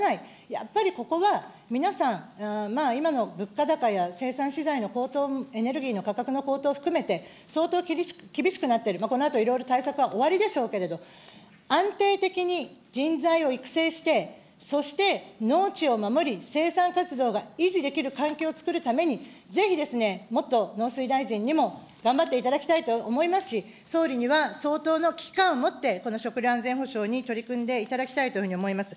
やっぱりここが皆さん、今の物価高や生産資材の高騰、エネルギーの価格の高騰も含めて、相当厳しくなっている、このあと、いろいろ対策はおありでしょうけれども、安定的に人材を育成して、そして農地を守り、生産活動が維持できる環境をつくるために、ぜひですね、もっと農水大臣にも頑張っていただきたいと思いますし、総理には相当の危機感を持って、この食料安全保障に取り組んでいただきたいというふうに思います。